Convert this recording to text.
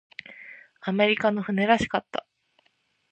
アメリカの船らしかった。